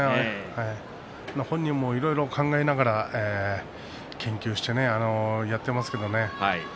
本人もいろいろ考えながら研究してやっていますけどね